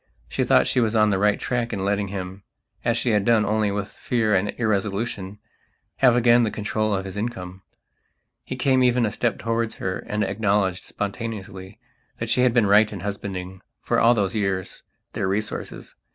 She thought she was on the right tack in letting himas she had done only with fear and irresolutionhave again the control of his income. He came even a step towards her and acknowledged, spontaneously, that she had been right in husbanding, for all those years, their resources.